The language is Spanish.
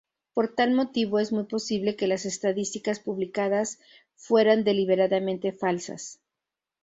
Por tal motivo es muy posible que las estadísticas publicadas fueran deliberadamente falsas.